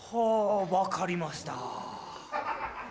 分かりました。